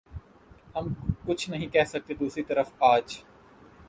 ہم کچھ نہیں کہہ سکتے دوسری طرف آج